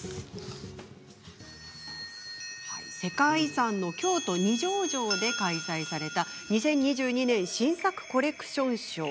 世界遺産の京都、二条城で開催された２０２２年新作コレクションショー。